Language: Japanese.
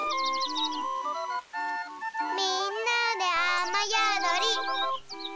みんなであまやどり。